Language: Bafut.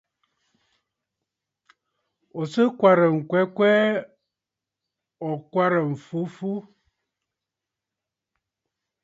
Ò sɨ̀ kwarə̀ ŋ̀kwɛɛ kwɛɛ, ò kwarə̀ m̀fu fu?